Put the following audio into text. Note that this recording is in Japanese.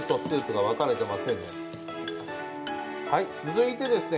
はい、続いてですね